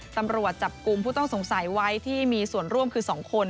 ตำรวจจับกลุ่มผู้ต้องสงสัยไว้ที่มีส่วนร่วมคือ๒คน